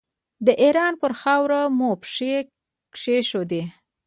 د ایران پر خاوره مو پښې کېښودې.